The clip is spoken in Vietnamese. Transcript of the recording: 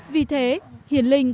vì thế hiền linh